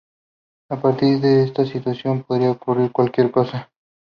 A partir de esta situación, podría ocurrir cualquier cosa.